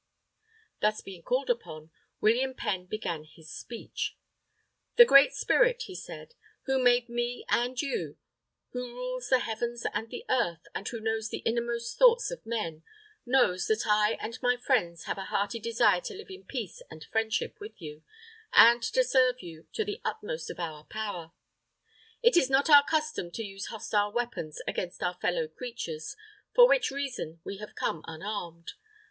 Thus being called upon, William Penn began his speech: "The Great Spirit," he said, "who made me and you, who rules the heavens and the earth, and who knows the innermost thoughts of men, knows that I and my friends have a hearty desire to live in peace and friendship with you, and to serve you to the utmost of our power. "It is not our custom to use hostile weapons against our fellow creatures, for which reason we have come unarmed.